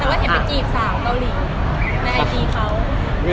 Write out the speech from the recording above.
แต่ว่าที่อาจจะไปจีบสาวเกาหลีแม่จีบเขา